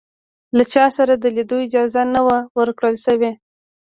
له چا سره د لیدلو اجازه نه وه ورکړل شوې.